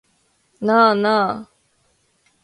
なあなあ